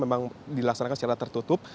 memang dilaksanakan secara tertutup